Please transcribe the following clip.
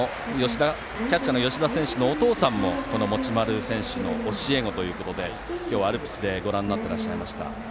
キャッチャーの吉田選手のお父さんも持丸監督の教え子ということで今日、アルプスでご覧になっていらっしゃいました。